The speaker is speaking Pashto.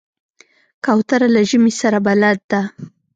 کوتره له ژمي سره بلد ده.